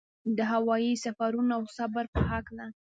د هوايي سفرونو او صبر په هکله.